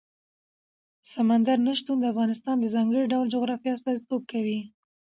سمندر نه شتون د افغانستان د ځانګړي ډول جغرافیه استازیتوب کوي.